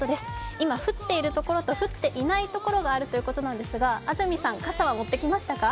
今、降っているところと降っていないところがあるということですが安住さん、傘は持ってきましたか？